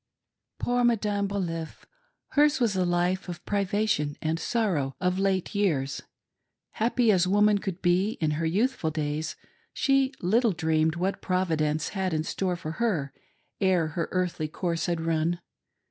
Poor Madame Baliff! Hers was a life of privation and sorrow, of late years. Happy as woman could be in her youthful days, she little dreamed what Providence had in store for her ere her earthly course had run.